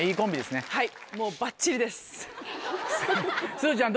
すずちゃん